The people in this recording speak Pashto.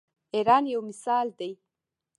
ایران یو مثال دی.